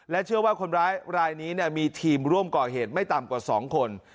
เชื่อว่าคนร้ายรายนี้มีทีมร่วมก่อเหตุไม่ต่ำกว่า๒คน